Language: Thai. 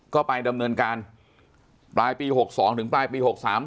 ก็ไปดำเนินการปลายปีหกสองถึงปลายปีหกสาม